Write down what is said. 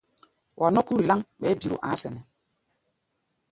Wa nɔ́ kúri láŋ, ɓɛɛ́ biro a̧á̧ sɛnɛ́.